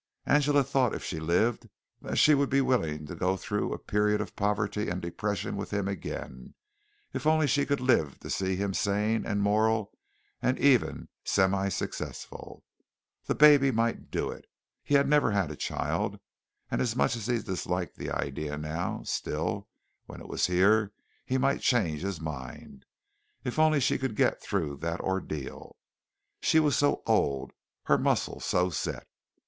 Angela thought if she lived that she would be willing to go through a period of poverty and depression with him again, if only she could live to see him sane and moral and even semi successful. The baby might do it. He had never had a child. And much as he disliked the idea now, still, when it was here, he might change his mind. If only she could get through that ordeal. She was so old her muscles so set.